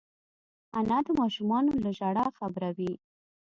انا د ماشومانو له ژړا خبروي